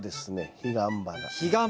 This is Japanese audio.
ヒガンバナ！